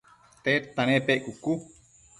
tedta nepec?cucu